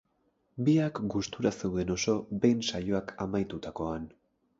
Biak gustura zeuden oso behin saioak amaitutakoan.